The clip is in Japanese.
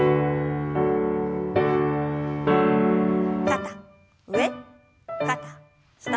肩上肩下。